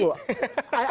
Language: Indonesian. nggak ada gunanya berarti